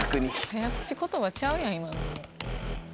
早口言葉ちゃうやん今の。